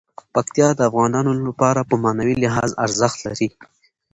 پکتیا د افغانانو لپاره په معنوي لحاظ ارزښت لري.